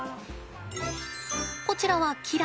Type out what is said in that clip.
こちらはキラ。